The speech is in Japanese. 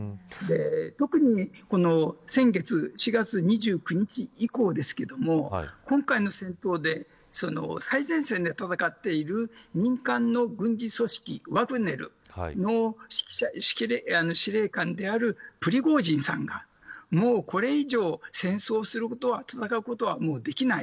特に、先月４月２９日以降今回の戦闘で最前線で戦っている民間の軍事組織、ワグネルの司令官であるプリゴジンさんがこれ以上戦争することはできない。